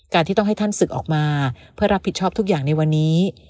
ที่ต้องให้ท่านศึกออกมาเพื่อรับผิดชอบทุกอย่างในวันนี้